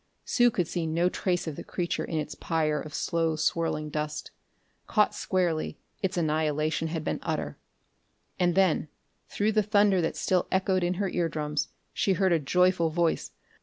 Sue could see no trace of the creature in its pyre of slow swirling dust. Caught squarely, its annihilation had been utter. And then, through the thunder that still echoed in her ear drums, she heard a joyful voice.